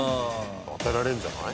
当てられるんじゃない？